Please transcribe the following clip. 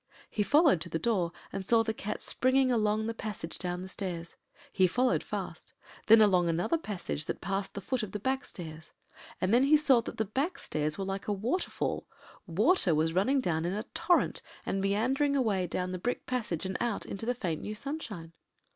He followed to the door, and saw the Cat springing along the passage down the stairs—he followed fast—then along another passage that passed the foot of the back stairs, and he saw that the back stairs were like a water fall—water was running down in a torrent and meandering away down the brick passage and out into the faint new sunshine.